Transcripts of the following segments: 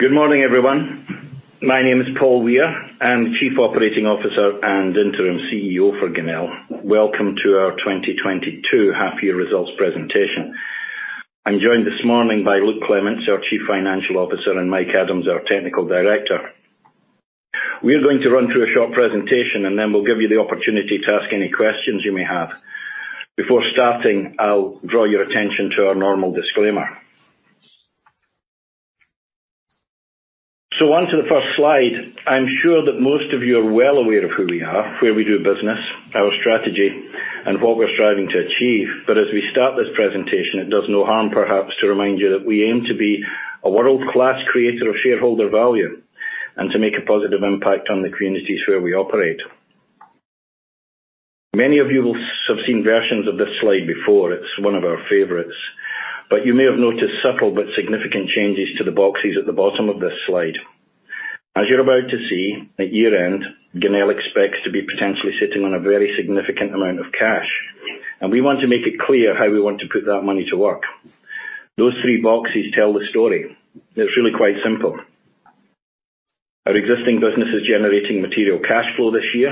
Good morning, everyone. My name is Paul Weir. I'm Chief Operating Officer and Interim CEO for Genel Energy. Welcome to our 2022 half year results presentation. I'm joined this morning by Luke Clements, our Chief Financial Officer, and Mike Adams, our Technical Director. We're going to run through a short presentation, and then we'll give you the opportunity to ask any questions you may have. Before starting, I'll draw your attention to our normal disclaimer. On to the first slide. I'm sure that most of you are well aware of who we are, where we do business, our strategy, and what we're striving to achieve. As we start this presentation, it does no harm perhaps to remind you that we aim to be a world-class creator of shareholder value and to make a positive impact on the communities where we operate. Many of you will have seen versions of this slide before. It's one of our favorites. You may have noticed subtle but significant changes to the boxes at the bottom of this slide. As you're about to see, at year-end, Genel expects to be potentially sitting on a very significant amount of cash, and we want to make it clear how we want to put that money to work. Those three boxes tell the story. It's really quite simple. Our existing business is generating material cash flow this year,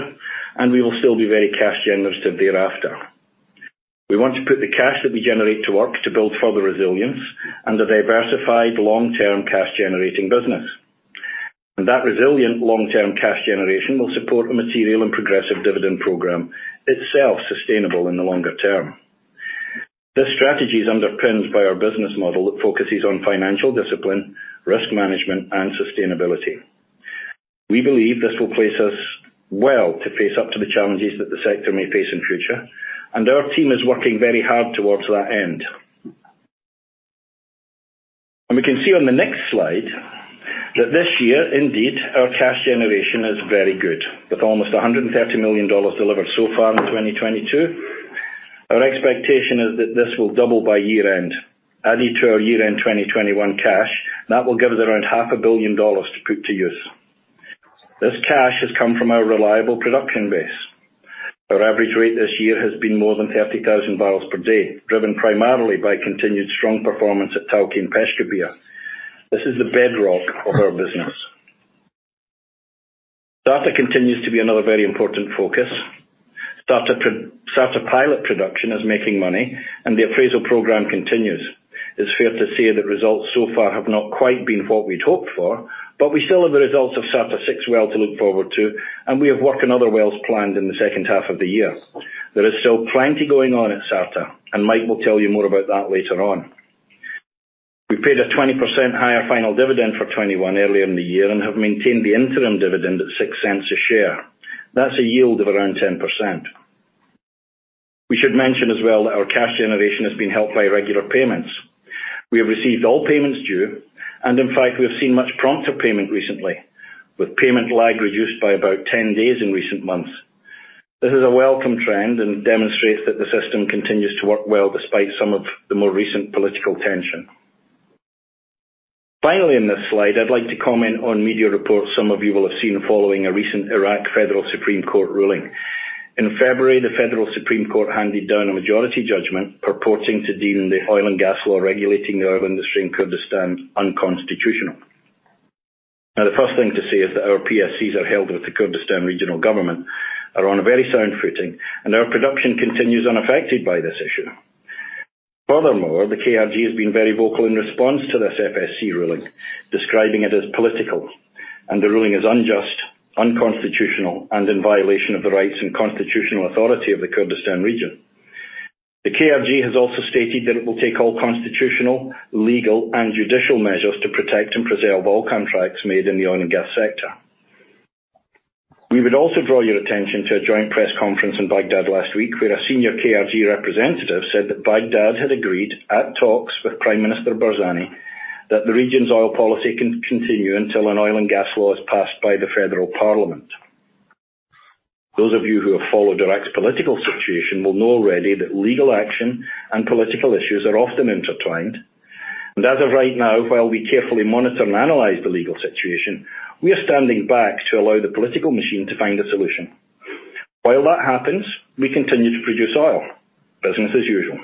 and we will still be very cash generative thereafter. We want to put the cash that we generate to work to build further resilience and a diversified long-term cash generating business. That resilient long-term cash generation will support a material and progressive dividend program, itself sustainable in the longer term. This strategy is underpinned by our business model that focuses on financial discipline, risk management, and sustainability. We believe this will place us well to face up to the challenges that the sector may face in future, and our team is working very hard towards that end. We can see on the next slide that this year, indeed, our cash generation is very good, with almost $130 million delivered so far in 2022. Our expectation is that this will double by year-end. Added to our year-end 2021 cash, that will give us around half a billion dollars to put to use. This cash has come from our reliable production base. Our average rate this year has been more than 30,000 barrels per day, driven primarily by continued strong performance at Tawke and Peshkabir. This is the bedrock of our business. Data continues to be another very important focus. Sarta pilot production is making money and the appraisal program continues. It's fair to say that results so far have not quite been what we'd hoped for, but we still have the results of Sarta 6 well to look forward to, and we have work in other wells planned in the second half of the year. There is still plenty going on at Sarta, and Mike will tell you more about that later on. We paid a 20% higher final dividend for 2021 earlier in the year and have maintained the interim dividend at $0.06 a share. That's a yield of around 10%. We should mention as well that our cash generation has been helped by regular payments. We have received all payments due, and in fact, we have seen much prompter payment recently, with payment lag reduced by about 10 days in recent months. This is a welcome trend and demonstrates that the system continues to work well despite some of the more recent political tension. Finally in this slide, I'd like to comment on media reports some of you will have seen following a recent Iraq Federal Supreme Court ruling. In February, the Federal Supreme Court handed down a majority judgment purporting to deem the oil and gas law regulating the oil industry in Kurdistan unconstitutional. Now, the first thing to say is that our PSCs are held with the Kurdistan Regional Government are on a very sound footing and our production continues unaffected by this issue. Furthermore, the KRG has been very vocal in response to this FSC ruling, describing it as political and the ruling is unjust, unconstitutional, and in violation of the rights and constitutional authority of the Kurdistan Region. The KRG has also stated that it will take all constitutional, legal, and judicial measures to protect and preserve all contracts made in the oil and gas sector. We would also draw your attention to a joint press conference in Baghdad last week where a senior KRG representative said that Baghdad had agreed at talks with Prime Minister Barzani that the region's oil policy can continue until an oil and gas law is passed by the federal parliament. Those of you who have followed Iraq's political situation will know already that legal action and political issues are often intertwined. As of right now, while we carefully monitor and analyze the legal situation, we are standing back to allow the political machine to find a solution. While that happens, we continue to produce oil, business as usual.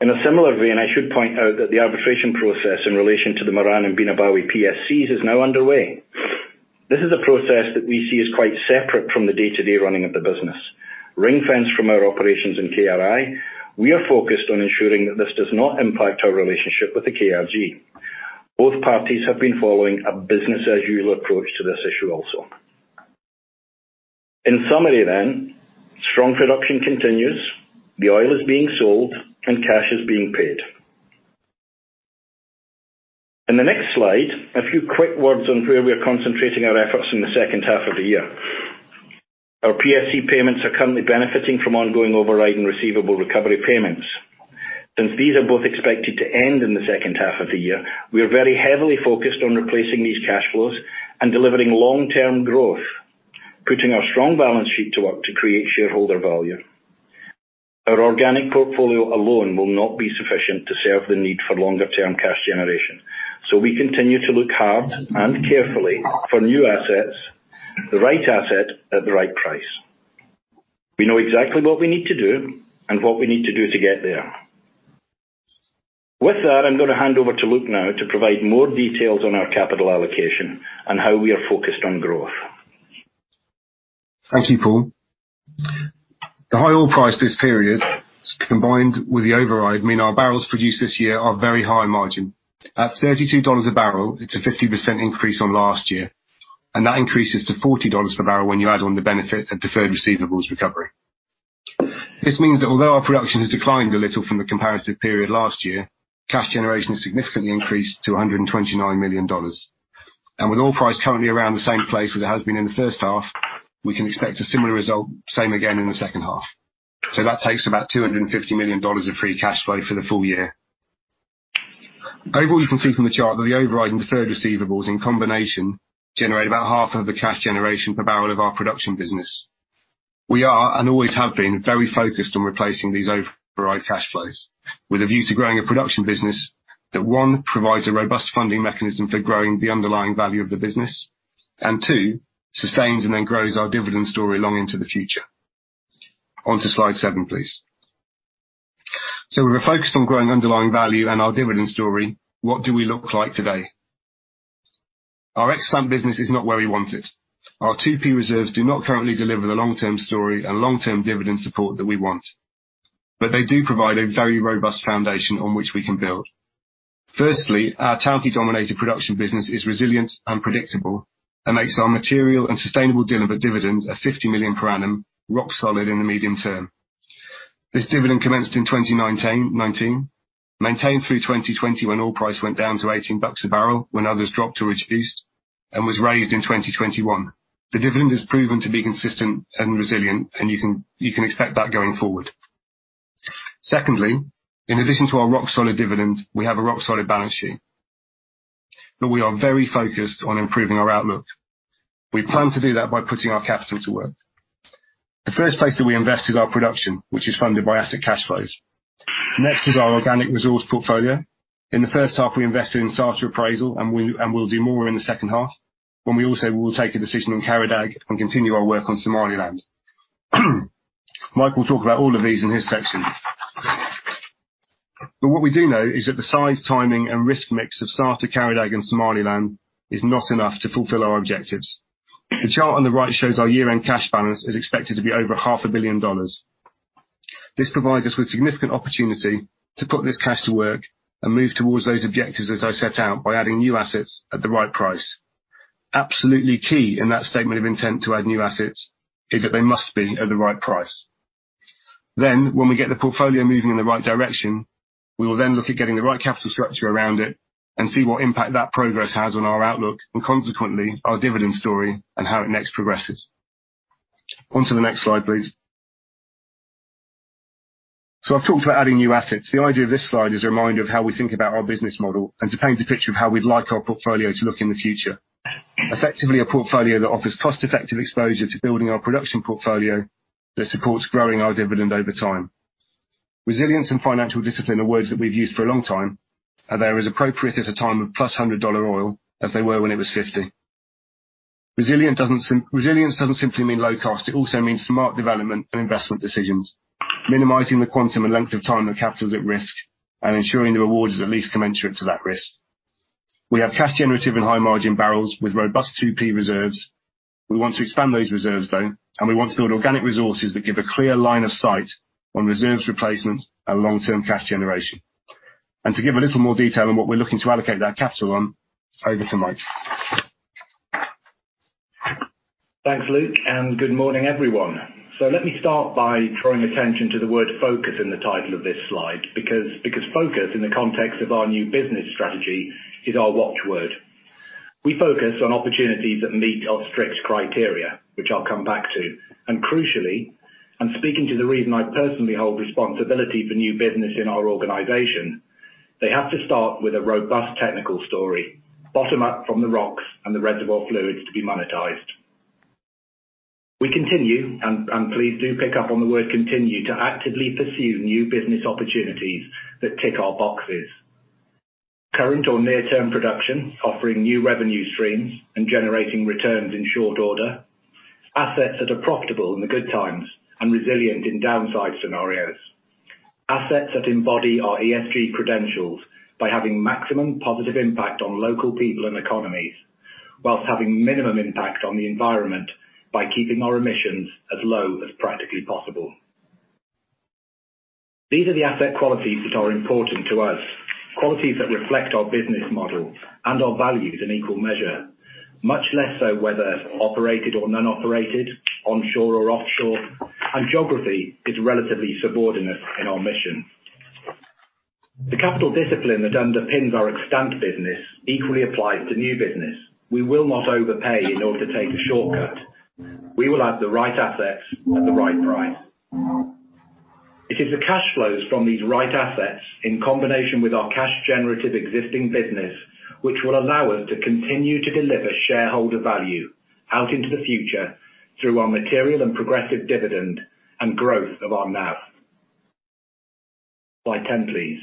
In a similar vein, I should point out that the arbitration process in relation to the Miran and Bina Bawi PSCs is now underway. This is a process that we see as quite separate from the day-to-day running of the business. Ring-fenced from our operations in KRI, we are focused on ensuring that this does not impact our relationship with the KRG. Both parties have been following a business as usual approach to this issue also. In summary, strong production continues, the oil is being sold, and cash is being paid. In the next slide, a few quick words on where we are concentrating our efforts in the second half of the year. Our PSC payments are currently benefiting from ongoing override and receivable recovery payments. Since these are both expected to end in the second half of the year, we are very heavily focused on replacing these cash flows and delivering long-term growth, putting our strong balance sheet to work to create shareholder value. Our organic portfolio alone will not be sufficient to serve the need for longer-term cash generation. We continue to look hard and carefully for new assets, the right asset at the right price. We know exactly what we need to do and what we need to do to get there. With that, I'm gonna hand over to Luke now to provide more details on our capital allocation and how we are focused on growth. Thank you, Paul. The high oil price this period, combined with the override, mean our barrels produced this year are very high margin. At $32 a barrel, it's a 50% increase on last year, and that increases to $40 per barrel when you add on the benefit of Deferred Receivables recovery. This means that although our production has declined a little from the comparative period last year, cash generation has significantly increased to $129 million. With oil price currently around the same place as it has been in the first half, we can expect a similar result, same again in the second half. That takes about $250 million of free cash flow for the full year. Overall, you can see from the chart that the override and Deferred Receivables in combination generate about half of the cash generation per barrel of our production business. We are, and always have been, very focused on replacing these override cash flows with a view to growing a production business that, one, provides a robust funding mechanism for growing the underlying value of the business and, two, sustains and then grows our dividend story long into the future. On to slide seven, please. We were focused on growing underlying value and our dividend story. What do we look like today? Our extant business is not where we want it. Our 2P reserves do not currently deliver the long-term story and long-term dividend support that we want. They do provide a very robust foundation on which we can build. Firstly, our Tawke-dominated production business is resilient and predictable and makes our materially sustainable dividend of $50 million per annum rock solid in the medium term. This dividend commenced in 2019, maintained through 2020 when oil price went down to $18 a barrel when others dropped or reduced, and was raised in 2021. The dividend has proven to be consistent and resilient, and you can expect that going forward. Secondly, in addition to our rock-solid dividend, we have a rock-solid balance sheet. We are very focused on improving our outlook. We plan to do that by putting our capital to work. The first place that we invest is our production, which is funded by asset cash flows. Next is our organic resource portfolio. In the first half, we invested in Sarta appraisal, and we'll do more in the second half, when we also will take a decision on Qara Dagh and continue our work on Somaliland. Mike will talk about all of these in his section. What we do know is that the size, timing and risk mix of Sarta, Qara Dagh, and Somaliland is not enough to fulfill our objectives. The chart on the right shows our year-end cash balance is expected to be over half a billion dollars. This provides us with significant opportunity to put this cash to work and move towards those objectives as I set out by adding new assets at the right price. Absolutely key in that statement of intent to add new assets is that they must be at the right price. When we get the portfolio moving in the right direction, we will then look at getting the right capital structure around it and see what impact that progress has on our outlook and consequently our dividend story and how it next progresses. Onto the next slide, please. I've talked about adding new assets. The idea of this slide is a reminder of how we think about our business model and to paint a picture of how we'd like our portfolio to look in the future. Effectively, a portfolio that offers cost-effective exposure to building our production portfolio that supports growing our dividend over time. Resilience and financial discipline are words that we've used for a long time, and they're as appropriate at a time of +$100 oil as they were when it was $50. Resilience doesn't simply mean low cost. It also means smart development and investment decisions, minimizing the quantum and length of time that capital is at risk, and ensuring the reward is at least commensurate to that risk. We have cash generative and high-margin barrels with robust 2P reserves. We want to expand those reserves, though, and we want to build organic resources that give a clear line of sight on reserves replacement and long-term cash generation. To give a little more detail on what we're looking to allocate that capital on, over to Mike. Thanks, Luke, and good morning, everyone. Let me start by drawing attention to the word focus in the title of this slide because focus in the context of our new business strategy is our watch word. We focus on opportunities that meet our strict criteria, which I'll come back to. Crucially, speaking to the reason I personally hold responsibility for new business in our organization, they have to start with a robust technical story, bottom up from the rocks and the reservoir fluids to be monetized. We continue, and please do pick up on the word continue, to actively pursue new business opportunities that tick our boxes. Current or near-term production, offering new revenue streams and generating returns in short order. Assets that are profitable in the good times and resilient in downside scenarios. Assets that embody our ESG credentials by having maximum positive impact on local people and economies while having minimum impact on the environment by keeping our emissions as low as practically possible. These are the asset qualities that are important to us, qualities that reflect our business model and our values in equal measure, much less so whether operated or non-operated, onshore or offshore, and geography is relatively subordinate in our mission. The capital discipline that underpins our extant business equally applies to new business. We will not overpay in order to take a shortcut. We will add the right assets at the right price. It is the cash flows from these right assets in combination with our cash generative existing business which will allow us to continue to deliver shareholder value out into the future through our material and progressive dividend and growth of our NAV. Slide 10, please.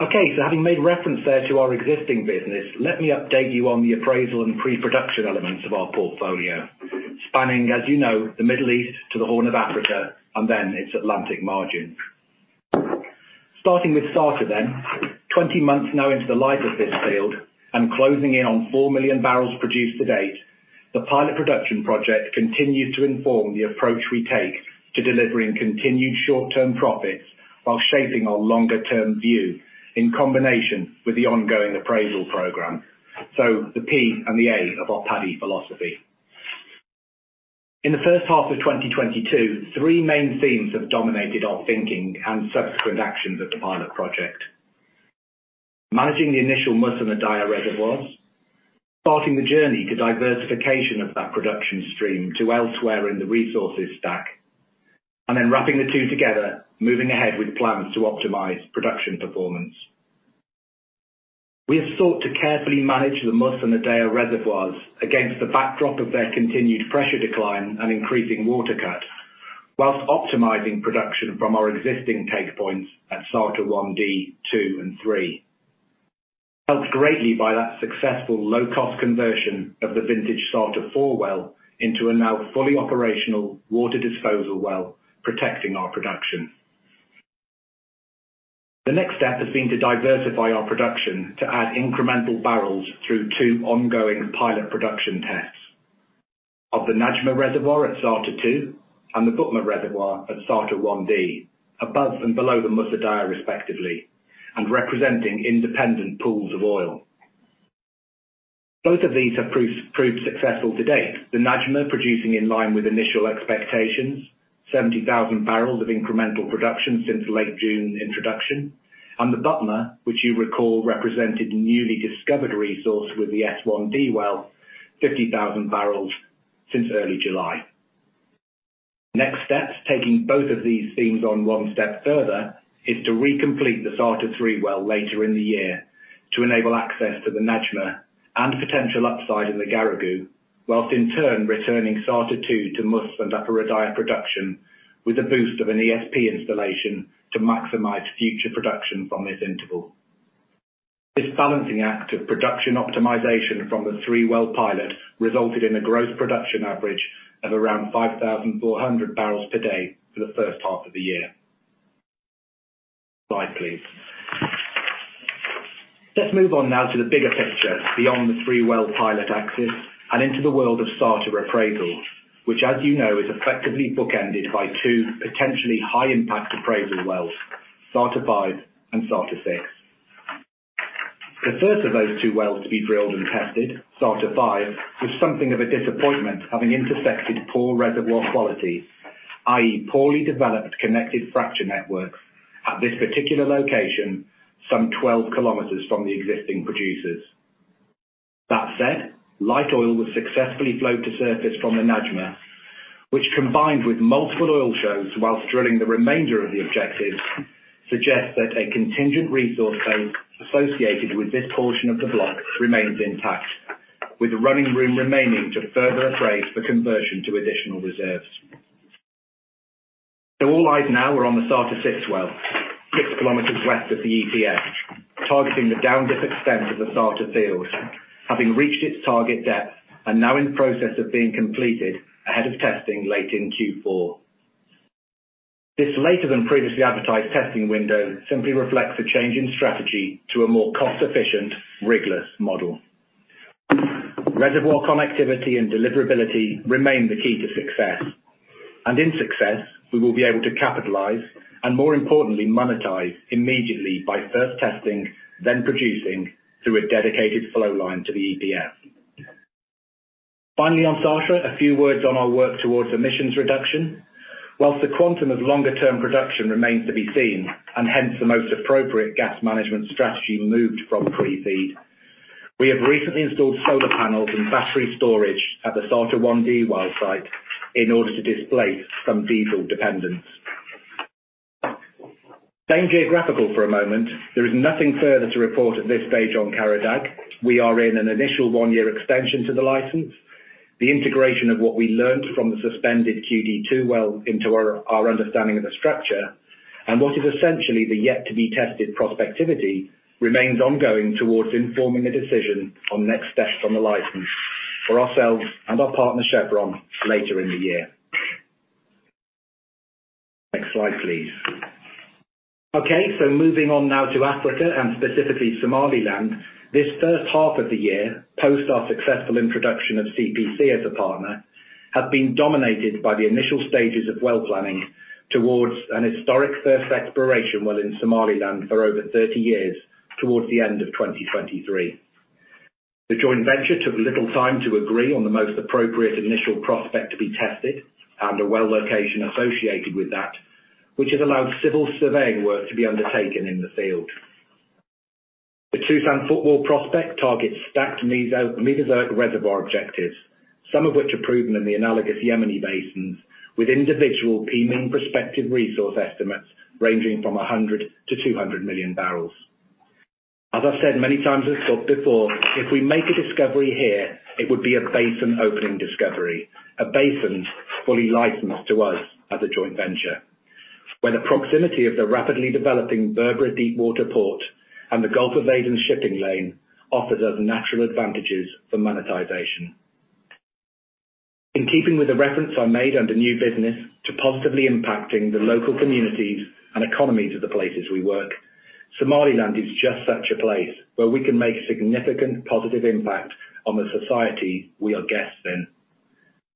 Okay, having made reference there to our existing business, let me update you on the appraisal and pre-production elements of our portfolio. Spanning, as you know, the Middle East to the Horn of Africa, and then its Atlantic margin. Starting with Sarta then. 20 months now into the life of this field and closing in on four million barrels produced to date. The pilot production project continues to inform the approach we take to delivering continued short-term profits while shaping our longer-term view in combination with the ongoing appraisal program. The P and the A of our PADD philosophy. In the first half of 2022, three main themes have dominated our thinking and subsequent actions at the pilot project. Managing the initial Mus and the Adaiyah reservoirs. Starting the journey to diversification of that production stream to elsewhere in the resources stack. Wrapping the two together, moving ahead with plans to optimize production performance. We have sought to carefully manage the Mus and the Adaiyah reservoirs against the backdrop of their continued pressure decline and increasing water cut, while optimizing production from our existing take points at Sarta-1D, 2, and 3. Helped greatly by that successful low-cost conversion of the vintage Sarta-4 well into a now fully operational water disposal well, protecting our production. The next step has been to diversify our production to add incremental barrels through two ongoing pilot production tests of the Najmah reservoir at Sarta-2 and the Butmah reservoir at Sarta-1D, above and below the Mus-Adaiyah respectively, and representing independent pools of oil. Both of these have proved successful to date. The Najmah producing in line with initial expectations. 70,000 barrels of incremental production since late June introduction, and the Butmah, which you recall represented newly discovered resource with the S1D well, 50,000 barrels since early July. Next steps, taking both of these themes one step further, is to re-complete the Sarta-3 well later in the year to enable access to the Najmah and potential upside in the Garagu, while in turn returning Sarta-2 to Mus and Upper Adaiyah production with a boost of an ESP installation to maximize future production from this interval. This balancing act of production optimization from the three-well pilot resulted in a gross production average of around 5,400 barrels per day for the first half of the year. Slide, please. Let's move on now to the bigger picture beyond the three-well pilot axis and into the world of Sarta appraisal. Which as you know is effectively bookended by two potentially high-impact appraisal wells, Sarta-5 and Sarta-6. The first of those two wells to be drilled and tested, Sarta-5, was something of a disappointment, having intersected poor reservoir quality, i.e., poorly developed connected fracture networks at this particular location, some 12 km from the existing producers. That said, light oil was successfully flowed to surface from the Najmah, which combined with multiple oil shows while drilling the remainder of the objective, suggests that a contingent resource base associated with this portion of the block remains intact, with running room remaining to further appraise for conversion to additional reserves. All eyes now are on the Sarta-6 well. Six kilometers west of the EPF, targeting the down dip extent of the Sarta field, having reached its target depth and now in process of being completed ahead of testing late in Q4. This later than previously advertised testing window simply reflects a change in strategy to a more cost-efficient, rigless model. Reservoir connectivity and deliverability remain the key to success. In success, we will be able to capitalize and more importantly monetize immediately by first testing, then producing through a dedicated flow line to the EPF. Finally, on Sarta, a few words on our work towards emissions reduction. While the quantum of longer-term production remains to be seen, and hence the most appropriate gas management strategy moved from pre-FEED. We have recently installed solar panels and battery storage at the Sarta-1D well site in order to displace some diesel dependence. Staying geographical for a moment. There is nothing further to report at this stage on Qara Dagh. We are in an initial one-year extension to the license. The integration of what we learned from the suspended QD-2 well into our understanding of the structure, and what is essentially the yet to be tested prospectivity remains ongoing towards informing the decision on next steps on the license for ourselves and our partner, Chevron, later in the year. Next slide, please. Okay, moving on now to Africa and specifically Somaliland. This first half of the year, post our successful introduction of CPC as a partner, has been dominated by the initial stages of well planning towards a historic first exploration well in Somaliland for over 30 years towards the end of 2023. The joint venture took little time to agree on the most appropriate initial prospect to be tested and a well location associated with that, which has allowed civil surveying work to be undertaken in the field. The Toosan Prospect targets stacked Mesozoic reservoir objectives, some of which are proven in the analogous Yemeni basins, with individual prospective resource estimates ranging from 100 to 200 million barrels. I've said many times this talk before, if we make a discovery here, it would be a basin-opening discovery. A basin fully licensed to us as a joint venture, where the proximity of the rapidly developing Berbera deepwater port and the Gulf of Aden shipping lane offers us natural advantages for monetization. In keeping with the reference I made under new business to positively impacting the local communities and economies of the places we work, Somaliland is just such a place where we can make significant positive impact on the society we are guests in.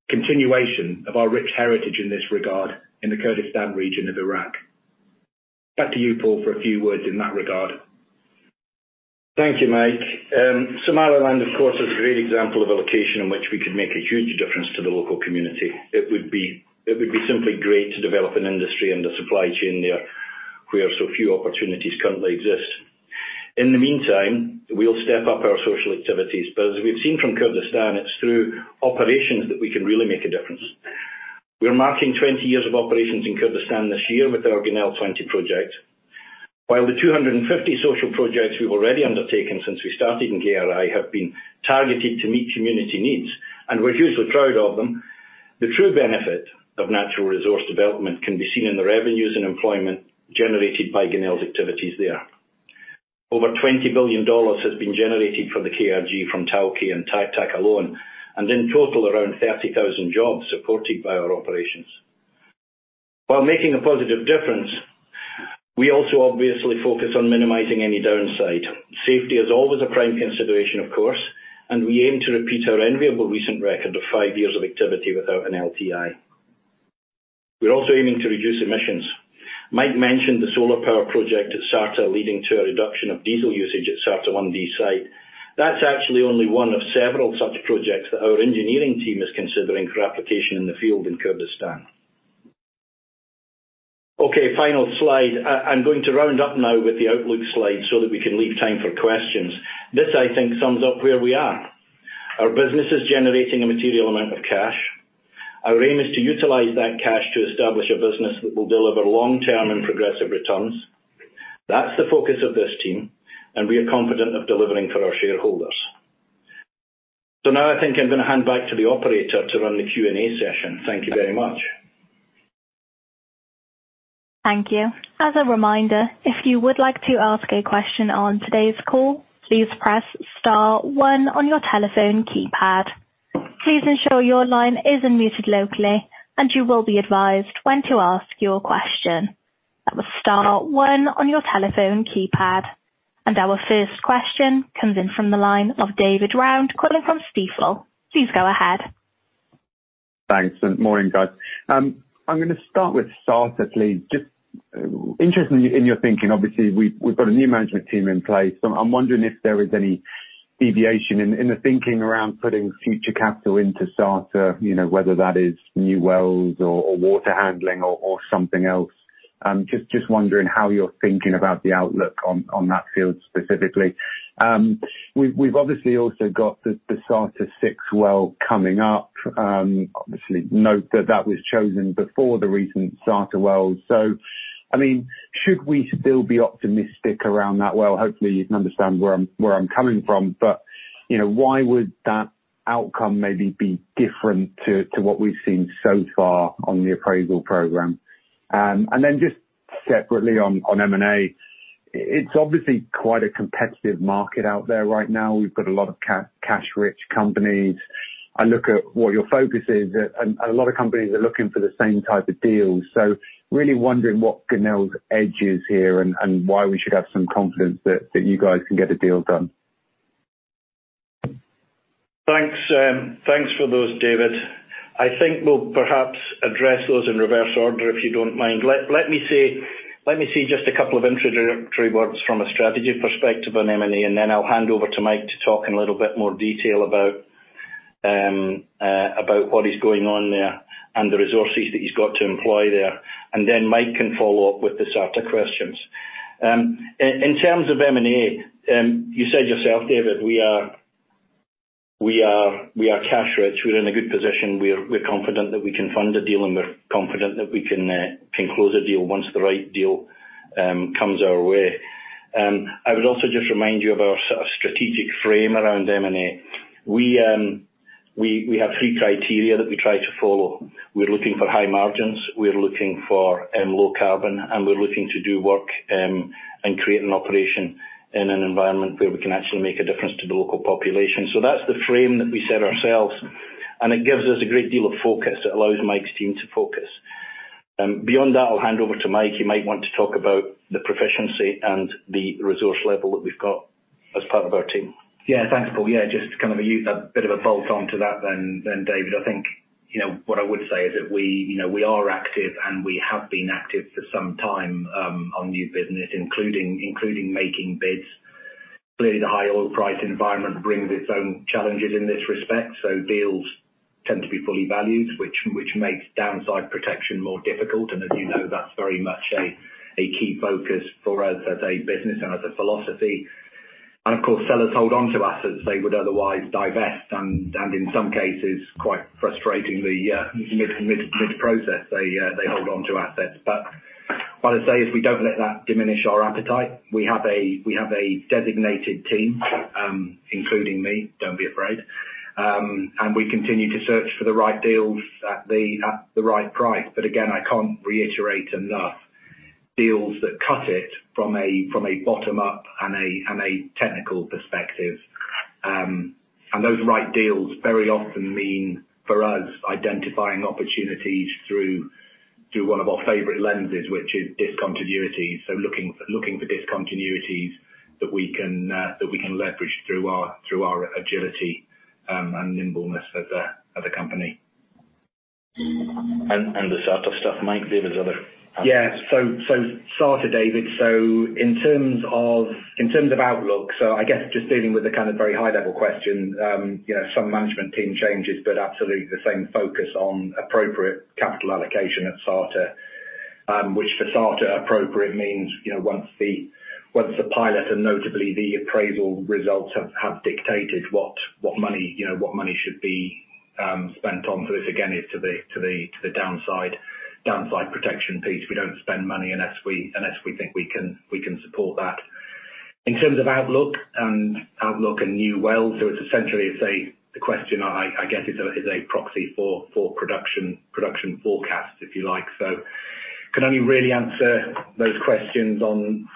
Continuation of our rich heritage in this regard in the Kurdistan Region of Iraq. Back to you, Paul, for a few words in that regard. Thank you, Mike. Somaliland, of course, is a great example of a location in which we could make a huge difference to the local community. It would be simply great to develop an industry and a supply chain there where so few opportunities currently exist. In the meantime, we'll step up our social activities. As we've seen from Kurdistan, it's through operations that we can really make a difference. We're marking 20 years of operations in Kurdistan this year with our Genel20 project. While the 250 social projects we've already undertaken since we started in KRI have been targeted to meet community needs, and we're hugely proud of them, the true benefit of natural resource development can be seen in the revenues and employment generated by Genel's activities there. Over $20 billion has been generated for the KRG from Tawke and Taq Taq alone, and in total, around 30,000 jobs supported by our operations. While making a positive difference, we also obviously focus on minimizing any downside. Safety is always a prime consideration, of course, and we aim to repeat our enviable recent record of five years of activity without an LTI. We're also aiming to reduce emissions. Mike mentioned the solar power project at Sarta, leading to a reduction of diesel usage at Sarta-1D site. That's actually only one of several such projects that our engineering team is considering for application in the field in Kurdistan. Okay, final slide. I'm going to round up now with the outlook slide so that we can leave time for questions. This, I think, sums up where we are. Our business is generating a material amount of cash. Our aim is to utilize that cash to establish a business that will deliver long-term and progressive returns. That's the focus of this team, and we are confident of delivering for our shareholders. Now I think I'm gonna hand back to the operator to run the Q&A session. Thank you very much. Thank you. As a reminder, if you would like to ask a question on today's call, please press star one on your telephone keypad. Please ensure your line is unmuted locally and you will be advised when to ask your question. That was star one on your telephone keypad. Our first question comes in from the line of David Round calling from Stifel. Please go ahead. Thanks, morning, guys. I'm gonna start with Sarta. Just interested in your thinking. Obviously, we've got a new management team in place. I'm wondering if there is any deviation in the thinking around putting future capital into Sarta, you know, whether that is new wells or water handling or something else. Just wondering how you're thinking about the outlook on that field specifically. We've obviously also got the Sarta-6 well coming up. Obviously note that was chosen before the recent Sarta wells. I mean, should we still be optimistic around that? Well, hopefully you can understand where I'm coming from. You know, why would that outcome maybe be different to what we've seen so far on the appraisal program? Just separately on M&A, it's obviously quite a competitive market out there right now. We've got a lot of cash-rich companies. I look at what your focus is. A lot of companies are looking for the same type of deals. Really wondering what Genel's edge is here and why we should have some confidence that you guys can get a deal done. Thanks, thanks for those, David. I think we'll perhaps address those in reverse order, if you don't mind. Let me say just a couple of introductory words from a strategy perspective on M&A, and then I'll hand over to Mike to talk in a little bit more detail about what is going on there and the resources that he's got to employ there. Then Mike can follow up with the Sarta questions. In terms of M&A, you said yourself, David, we are cash rich. We're in a good position. We're confident that we can fund a deal, and we're confident that we can close a deal once the right deal comes our way. I would also just remind you of our sort of strategic frame around M&A. We have three criteria that we try to follow. We're looking for high margins, we're looking for low carbon, and we're looking to do work and create an operation in an environment where we can actually make a difference to the local population. That's the frame that we set ourselves, and it gives us a great deal of focus. It allows Mike's team to focus. Beyond that, I'll hand over to Mike. He might want to talk about the proficiency and the resource level that we've got as part of our team. Yeah. Thanks, Paul. Yeah, just to kind of use a bit of a bolt on to that then, David, I think, you know, we are active, and we have been active for some time on new business, including making bids. Clearly, the high oil price environment brings its own challenges in this respect, so deals tend to be fully valued, which makes downside protection more difficult. As you know, that's very much a key focus for us as a business and as a philosophy. Of course, sellers hold on to assets they would otherwise divest, and in some cases, quite frustratingly, mid-process, they hold on to assets. What I'd say is we don't let that diminish our appetite. We have a designated team, including me, don't be afraid. We continue to search for the right deals at the right price. Again, I can't reiterate enough deals that cut it from a bottom-up and a technical perspective. Those right deals very often mean, for us, identifying opportunities through one of our favorite lenses, which is discontinuities. Looking for discontinuities that we can leverage through our agility and nimbleness as a company. The sort of stuff, Mike, there is other. Yeah. Sarta, David. In terms of outlook, I guess just dealing with the kind of very high-level question, you know, some management team changes, but absolutely the same focus on appropriate capital allocation at Sarta. Which for Sarta appropriate means, you know, once the pilot and notably the appraisal results have dictated what money, you know, what money should be spent on. This again is to the downside protection piece. We don't spend money unless we think we can support that. In terms of outlook and new wells, it's essentially the question I guess is a proxy for production forecasts, if you like. Can only really answer those questions on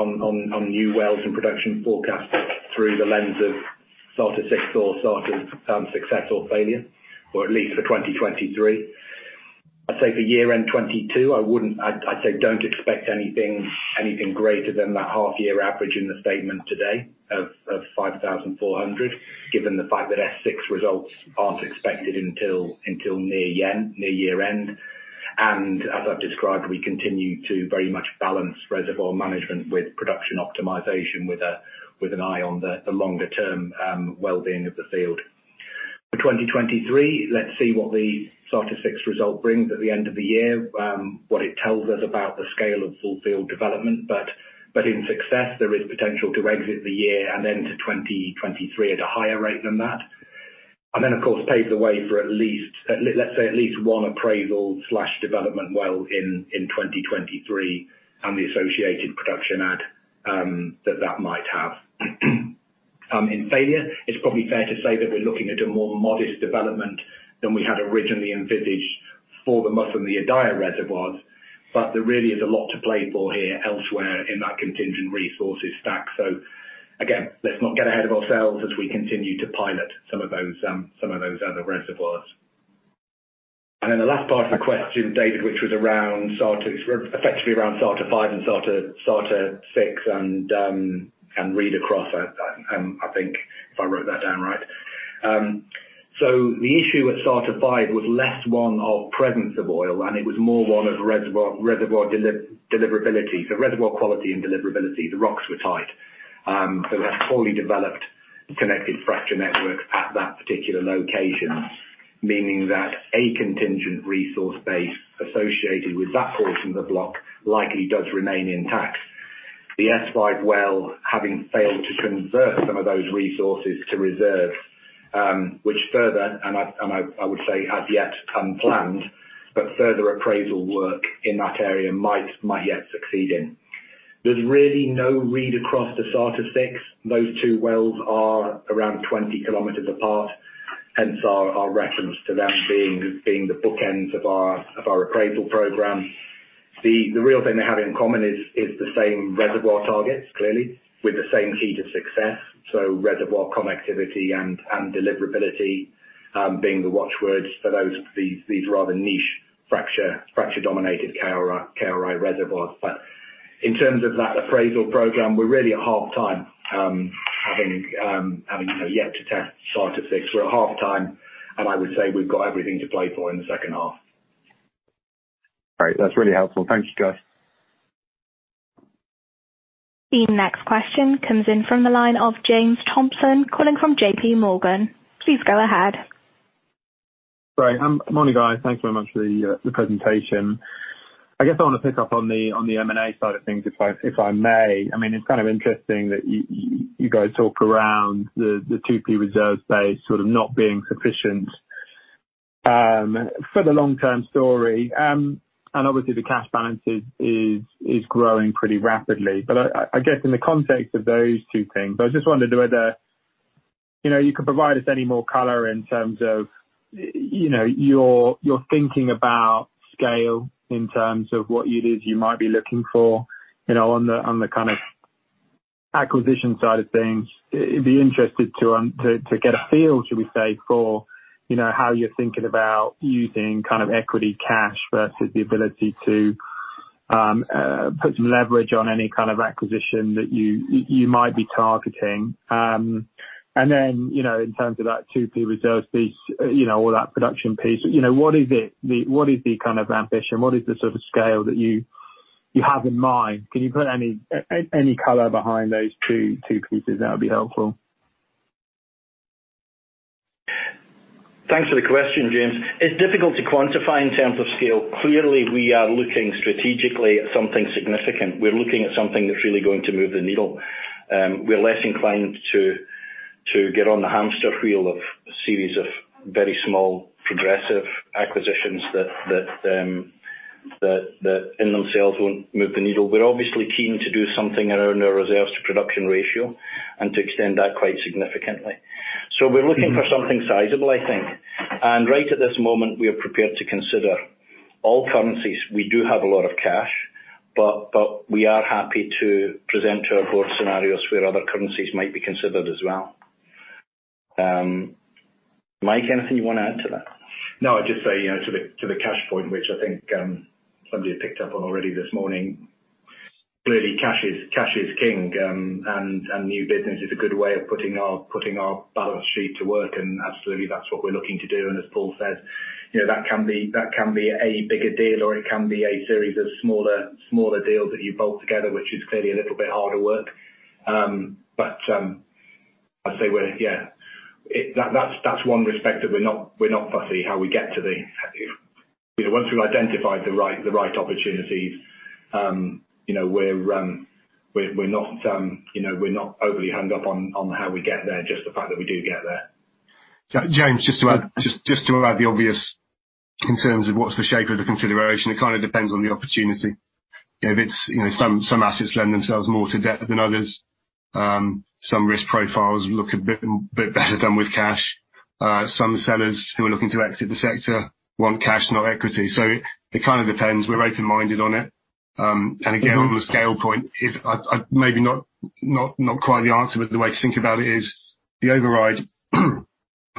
new wells and production forecasts through the lens of Sarta-6 or Sarta's success or failure, or at least for 2023. I'd say for year-end 2022, I wouldn't. I'd say don't expect anything greater than that half-year average in the statement today of 5,400, given the fact that S-6 results aren't expected until near year-end. As I've described, we continue to very much balance reservoir management with production optimization with an eye on the longer-term well-being of the field. For 2023, let's see what the Sarta-6 result brings at the end of the year, what it tells us about the scale of full field development. In success, there is potential to exit the year and then to 2023 at a higher rate than that. Of course pave the way for at least, let's say at least one appraisal/development well in 2023 and the associated production addition that might have. In failure, it's probably fair to say that we're looking at a more modest development than we had originally envisaged for the Mus and the Adaiyah reservoirs. There really is a lot to play for here elsewhere in that contingent resources stack. Again, let's not get ahead of ourselves as we continue to pilot some of those other reservoirs. The last part of the question, David, which was around Sarta, effectively around Sarta-5 and Sarta-6 and read across, I think, if I wrote that down right. The issue with Sarta-5 was less one of presence of oil, and it was more one of reservoir deliverability. Reservoir quality and deliverability. The rocks were tight. A poorly developed connected fracture network at that particular location, meaning that a contingent resource base associated with that portion of the block likely does remain intact. The S-5 well having failed to convert some of those resources to reserves, which further I would say is yet unplanned, but further appraisal work in that area might yet succeed in. There's really no read across the Sarta-6. Those two wells are around 20 km apart, hence our reference to them being the bookends of our appraisal program. The real thing they have in common is the same reservoir targets, clearly, with the same key to success. Reservoir connectivity and deliverability being the watch words for these rather niche fracture-dominated KRI reservoirs. In terms of that appraisal program, we're really at half-time, having you know, yet to test Sarta-6. We're at half-time, and I would say we've got everything to play for in the second half. Great. That's really helpful. Thank you, guys. The next question comes in from the line of James Thompson, calling from JP Morgan. Please go ahead. Sorry. Morning, guys. Thank you very much for the presentation. I guess I want to pick up on the M&A side of things, if I may. I mean, it's kind of interesting that you guys talk around the 2P reserve base sort of not being sufficient for the long-term story. Obviously the cash balances is growing pretty rapidly. I guess in the context of those two things, I was just wondering whether, you know, you could provide us any more color in terms of, you know, your thinking about scale in terms of what it is you might be looking for, you know, on the kind of acquisition side of things. It'd be interesting to get a feel, should we say, for, you know, how you're thinking about using kind of equity cash versus the ability to put some leverage on any kind of acquisition that you might be targeting. And then, you know, in terms of that 2P reserves piece, you know, or that production piece, you know, what is it? What is the kind of ambition? What is the sort of scale that you have in mind? Can you put any color behind those two pieces? That would be helpful. Thanks for the question, James. It's difficult to quantify in terms of scale. Clearly, we are looking strategically at something significant. We're looking at something that's really going to move the needle. We're less inclined to. To get on the hamster wheel of a series of very small progressive acquisitions that in themselves won't move the needle. We're obviously keen to do something around our reserves to production ratio and to extend that quite significantly. We're looking for something sizable, I think. Right at this moment, we are prepared to consider all currencies. We do have a lot of cash, but we are happy to present to our board scenarios where other currencies might be considered as well. Mike, anything you wanna add to that? No, I'd just say, you know, to the cash point, which I think somebody had picked up on already this morning. Clearly, cash is king, and new business is a good way of putting our balance sheet to work, and absolutely, that's what we're looking to do. As Paul says, you know, that can be a bigger deal or it can be a series of smaller deals that you bolt together, which is clearly a little bit harder work. But I'd say we're yeah. That's one respect that we're not fussy how we get to the, you know, once we've identified the right opportunities, you know, we're not overly hung up on how we get there, just the fact that we do get there. James, just to add the obvious in terms of what's the shape of the consideration? It kinda depends on the opportunity. If it's some assets lend themselves more to debt than others. Some risk profiles look a bit better than with cash. Some sellers who are looking to exit the sector want cash, not equity. It kinda depends. We're open-minded on it. And again, on the scale point, maybe not quite the answer, but the way to think about it is the override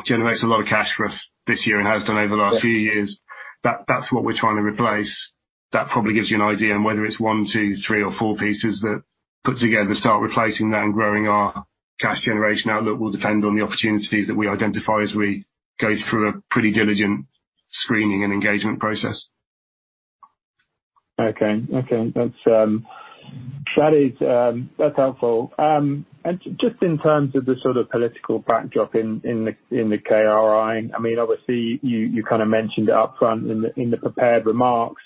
generates a lot of cash for us this year and has done over the last few years. That's what we're trying to replace. That probably gives you an idea on whether it's one, two, three, or four pieces that put together start replacing that and growing our cash generation outlook will depend on the opportunities that we identify as we go through a pretty diligent screening and engagement process. Okay. That's helpful. Just in terms of the sort of political backdrop in the KRI, I mean, obviously you kinda mentioned upfront in the prepared remarks.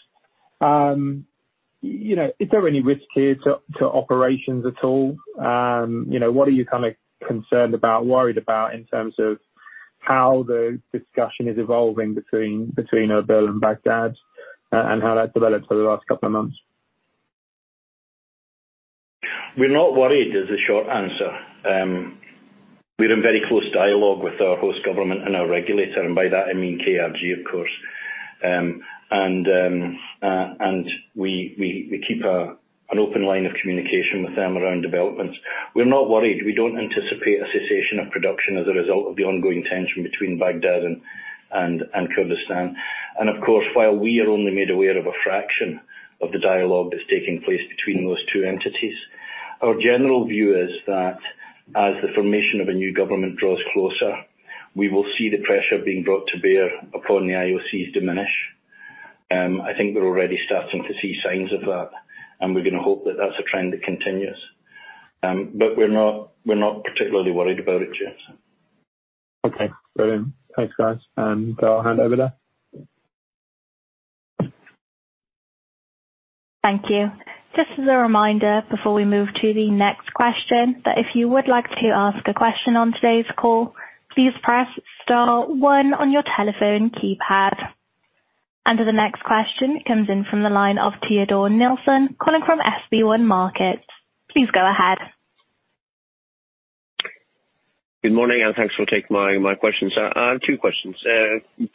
You know, is there any risk here to operations at all? You know, what are you kinda concerned about, worried about in terms of how the discussion is evolving between Erbil and Baghdad, and how that's developed over the last couple of months? We're not worried, is the short answer. We are in very close dialogue with our host government and our regulator. By that, I mean KRG, of course. We keep an open line of communication with them around developments. We're not worried. We don't anticipate a cessation of production as a result of the ongoing tension between Baghdad and Kurdistan. Of course, while we are only made aware of a fraction of the dialogue that's taking place between those two entities, our general view is that as the formation of a new government draws closer, we will see the pressure being brought to bear upon the IOCs diminish. I think we're already starting to see signs of that, and we're gonna hope that that's a trend that continues. We're not particularly worried about it, James. Okay. Brilliant. Thanks, guys. I'll hand over there. Thank you. Just as a reminder before we move to the next question, that if you would like to ask a question on today's call, please press star one on your telephone keypad. The next question comes in from the line of Teodor Nilsen calling from SB1 Markets. Please go ahead. Good morning, and thanks for taking my questions. I have two questions.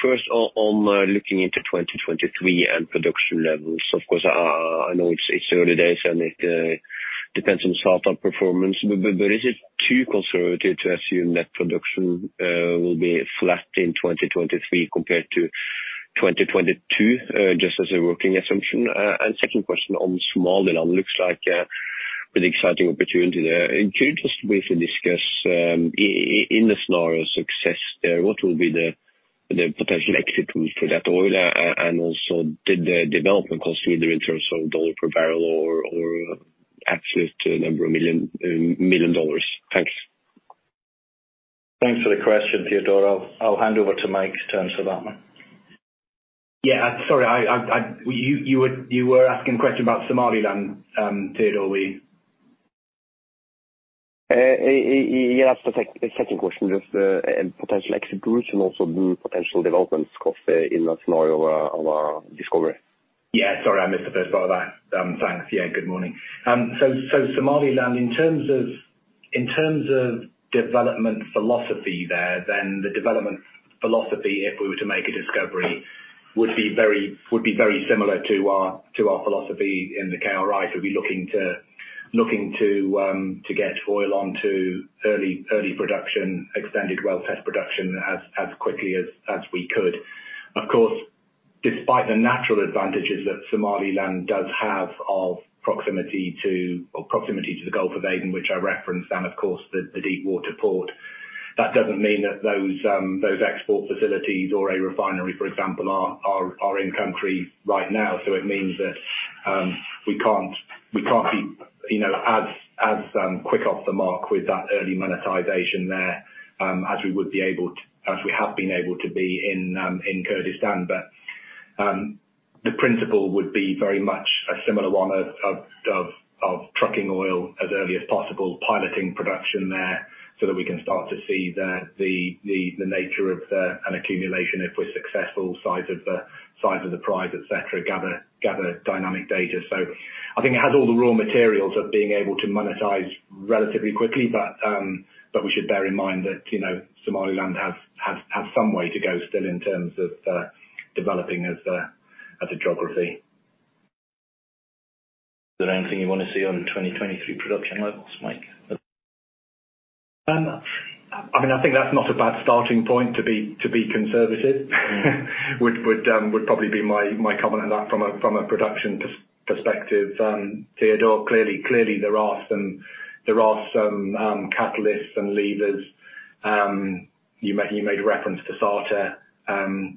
First on looking into 2023 and production levels. Of course, I know it's early days and it depends on startup performance. But is it too conservative to assume that production will be flat in 2023 compared to 2022, just as a working assumption? Second question on Somaliland. Looks like a pretty exciting opportunity there. Could you just briefly discuss in the success scenario there, what will be the potential exit route for that oil? Also did the development consider in terms of dollar per barrel or access to a number of million dollars? Thanks. Thanks for the question, Teodor. I'll hand over to Mike to answer that one. Yeah. You were asking a question about Somaliland, Teodor. Yes, the second question, just potential exit routes and also the potential developments, of course, in the scenario of a discovery. Yeah. Sorry, I missed the first part of that. Thanks. Yeah. Good morning. Somaliland, in terms of development philosophy there, the development philosophy, if we were to make a discovery, would be very similar to our philosophy in the KRI. We're looking to get oil onto early production, extended well test production as quickly as we could. Of course, despite the natural advantages that Somaliland does have of proximity to the Gulf of Aden, which I referenced, and of course the deep water port, that doesn't mean that those export facilities or a refinery, for example, are in country right now. It means that we can't be, you know, as quick off the mark with that early monetization there, as we would be able to, as we have been able to be in Kurdistan. The principle would be very much a similar one of trucking oil as early as possible, piloting production there so that we can start to see the nature of an accumulation if we're successful, size of the prize, et cetera. Gather dynamic data. I think it has all the raw materials of being able to monetize relatively quickly, but we should bear in mind that, you know, Somaliland has some way to go still in terms of developing as a geography. Is there anything you wanna see on 2023 production levels, Mike? I mean, I think that's not a bad starting point to be conservative. Would probably be my comment on that from a production perspective. Teodor, clearly there are some catalysts and levers. You made reference to Sarta.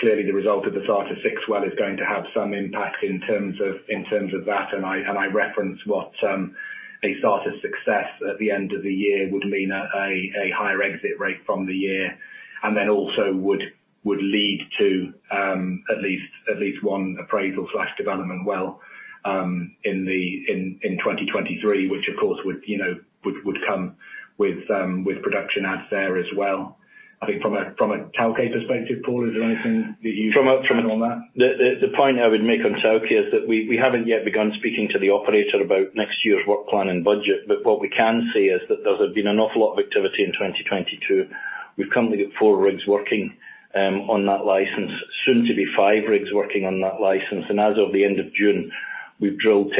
Clearly the result of the Sarta-6 well is going to have some impact in terms of that. I referenced what a Sarta success at the end of the year would mean a higher exit rate from the year. Then also would lead to at least one appraisal/development well in 2023. Which of course would, you know, come with production adds there as well. I think from a Tawke perspective, Paul, is there anything that you'd add on that? The point I would make on Tawke is that we haven't yet begun speaking to the operator about next year's work plan and budget, but what we can say is that there's been an awful lot of activity in 2022. We've currently got four rigs working on that license. Soon to be five rigs working on that license. As of the end of June, we've drilled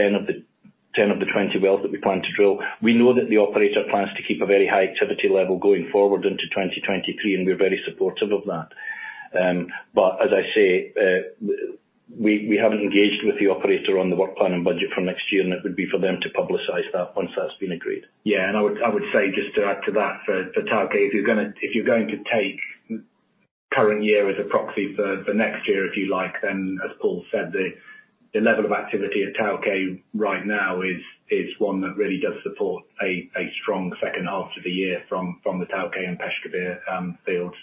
10 of the 20 wells that we plan to drill. We know that the operator plans to keep a very high activity level going forward into 2023, and we are very supportive of that. As I say, we haven't engaged with the operator on the work plan and budget for next year, and it would be for them to publicize that once that's been agreed. Yeah. I would say, just to add to that for Tawke, if you're going to take current year as a proxy for next year, if you like, then as Paul said, the level of activity at Tawke right now is one that really does support a strong second half to the year from the Tawke and Peshkabir fields.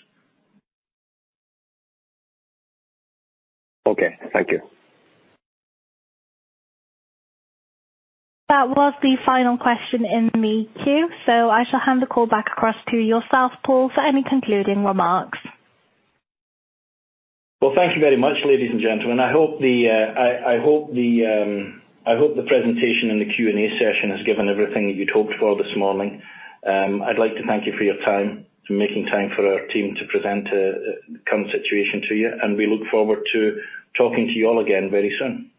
Okay, thank you. That was the final question in the queue, so I shall hand the call back across to yourself, Paul, for any concluding remarks. Well, thank you very much, ladies and gentlemen. I hope the presentation and the Q&A session has given everything that you'd hoped for this morning. I'd like to thank you for your time, for making time for our team to present current situation to you. We look forward to talking to you all again very soon.